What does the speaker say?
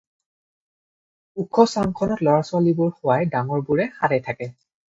ওখ চাংখনত লৰা ছোৱালীবোৰ শুৱাই ডাঙৰবোৰে সাৰে থাকে।